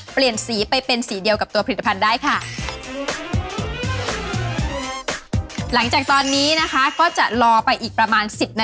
เปลี่ยนสีไปเป็นสีเดียวกับตัวผลิตภัณฑ์ได้ค่ะ